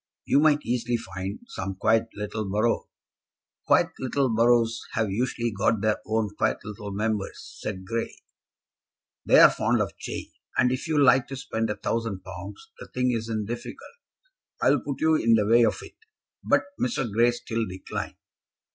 "You might easily find some quiet little borough." "Quiet little boroughs have usually got their own quiet little Members," said Grey. "They're fond of change; and if you like to spend a thousand pounds, the thing isn't difficult. I'll put you in the way of it." But Mr. Grey still declined.